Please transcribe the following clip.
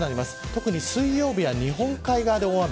特に水曜日は日本海側で大雨。